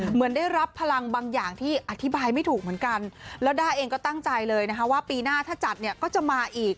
เหมือนได้รับพลังบางอย่างที่อธิบายไม่ถูกเหมือนกันแล้วด้าเองก็ตั้งใจเลยนะคะว่าปีหน้าถ้าจัดเนี่ยก็จะมาอีก